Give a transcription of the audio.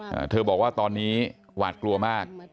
อ่าเธอบอกว่าตอนนี้หวาดกลัวมาก